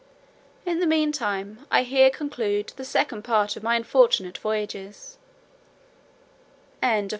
In the mean time, I here conclude the second part of my unfortunate voyages. PART III.